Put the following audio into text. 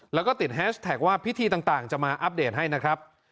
แล้วก็ติดแฮชแท็กว่าพิธีต่างจะมาอัปเดตให้นะครับ